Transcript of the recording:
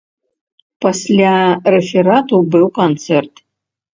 Пасля рэферату быў канцэрт.